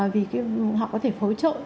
vì họ có thể phối trộn